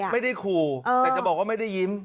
ไม่ได้ขู่แต่จะบอกว่าไม่ได้ยิ้ม